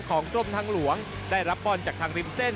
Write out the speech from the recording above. กรมทางหลวงได้รับบอลจากทางริมเส้น